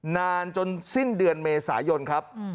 นานจนสิ้นเดือนเมษายนครับ